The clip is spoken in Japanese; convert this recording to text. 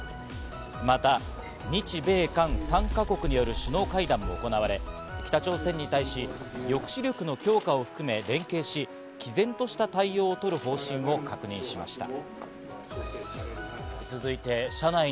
また日米韓３か国による首脳会談も行われ、北朝鮮に対し抑止力の強化を含め連携し、毅然とした対応をとる方針を確認しました。